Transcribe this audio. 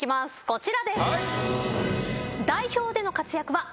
こちらです。